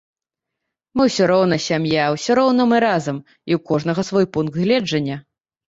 Мы ўсё роўна сям'я, усё роўна мы разам, і ў кожнага свой пункт гледжання.